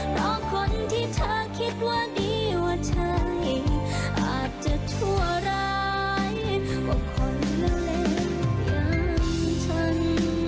เพราะคนที่เธอคิดว่าดีว่าใช่อาจจะชั่วร้ายว่าคนละเลวอย่างฉัน